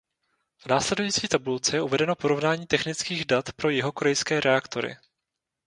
V následující tabulce je uvedeno porovnání technických dat pro jihokorejské reaktory.